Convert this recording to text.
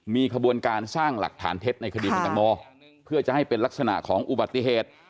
มีขบวนการสร้างหลักฐานเท็จในคดีคุณตังโมเพื่อจะให้เป็นลักษณะของอุบัติเหตุ